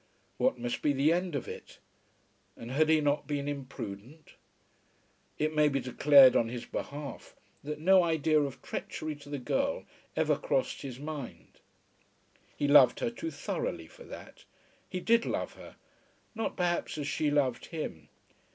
What must be the end of it? And had he not been imprudent? It may be declared on his behalf that no idea of treachery to the girl ever crossed his mind. He loved her too thoroughly for that. He did love her not perhaps as she loved him.